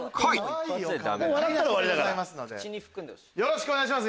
よろしくお願いします